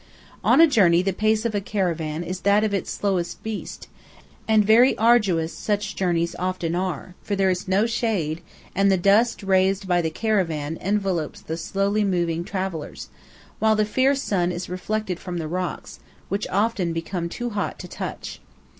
On a journey the pace of a caravan is that of its slowest beast, and very arduous such journeys often are, for there is no shade, and the dust raised by the caravan envelops the slowly moving travellers, while the fierce sun is reflected from the rocks, which often become too hot to touch.